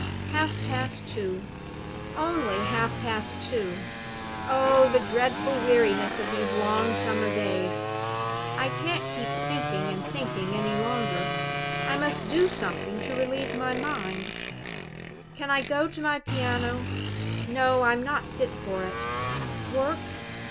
"Half past two only half past two. Oh, the dreadful weariness of these long summer days! I can't keep thinking and thinking any longer; I must do something to relieve my mind. Can I go to my piano? No; I'm not fit for it. Work?